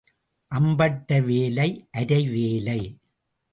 அம்பட்ட வேலை அரை வேலை.